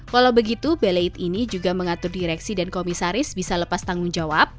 walau begitu belate ini juga mengatur direksi dan komisaris bisa lepas tanggung jawab